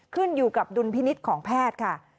ขึ้นอยู่กับดุลพินิษฐ์ของแพทย์ค่ะ